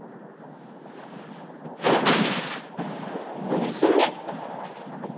何すんねん！